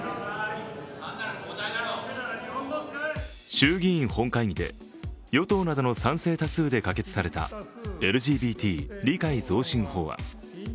衆議院本会議で与党などの賛成多数で可決されたＬＧＢＴ理解増進法案。